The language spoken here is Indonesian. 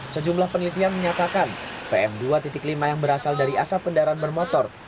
sejumlah penelitian menyatakan pm dua lima yang berasal dari asap kendaraan bermotor